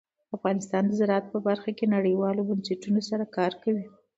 افغانستان د زراعت په برخه کې نړیوالو بنسټونو سره کار کوي.